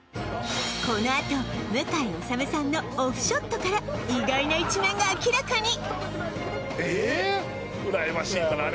このあと向井理さんのオフショットから意外な一面が明らかに！